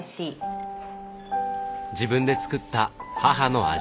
自分で作った母の味。